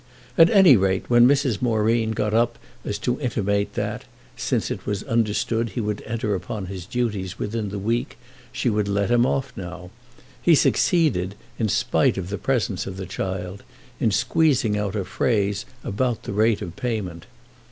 At any rate when Mrs. Moreen got up as to intimate that, since it was understood he would enter upon his duties within the week she would let him off now, he succeeded, in spite of the presence of the child, in squeezing out a phrase about the rate of payment.